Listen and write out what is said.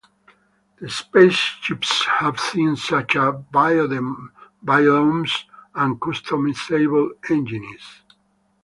The spaceships have things such as biodomes and customizable engines.